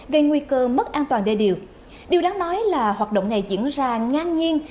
gây nguy cơ mất an toàn đê điều điều đáng nói là hoạt động này diễn ra ngang nhiên